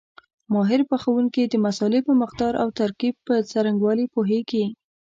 ماهر پخوونکي د مسالې په مقدار او ترکیب په څرنګوالي پوهېږي.